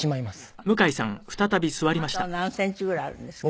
あなたは何センチぐらいあるんですか？